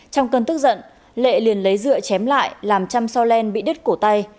trong cơn tức giận lệ liền lấy dựa chém lại làm chăm sau len bị đứt cổ tay